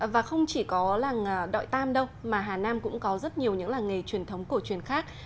và không chỉ có làng đội tam đâu mà hà nam cũng có rất nhiều những làng nghề truyền thống cổ truyền khác